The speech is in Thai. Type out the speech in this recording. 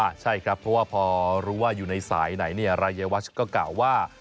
ใช่ครับเพราะว่าพอรู้ว่าอยู่ในสายไหนเนี่ยรายวัชก็กล่าวว่า